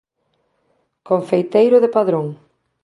Confeiteiro de Padrón.